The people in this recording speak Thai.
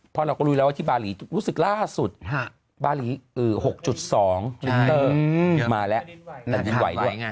เพราะเราก็รู้แล้วว่าที่บาลีรู้สึกล่าสุดบาลี๖๒ลินเตอร์มาแล้ว